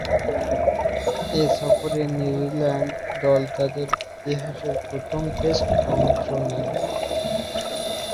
এ সফরেই নিউজিল্যান্ড দল তাদের ইতিহাসের প্রথম টেস্টে অংশ নেয়।